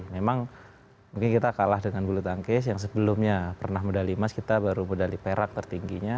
memang mungkin kita kalah dengan bulu tangkis yang sebelumnya pernah medali emas kita baru medali perak tertingginya